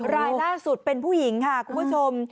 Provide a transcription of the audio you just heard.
รายล่าสุดเป็นผู้หญิงค่ะคุณผู้ชม